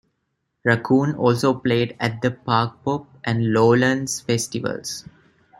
Racoon also played at the Parkpop and Lowlands festivals.